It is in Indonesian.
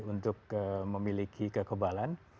untuk memiliki kekebalan